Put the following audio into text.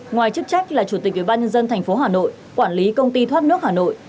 ngoài chức trách là chủ tịch ubnd tp hà nội quản lý công ty thoát nước hà nội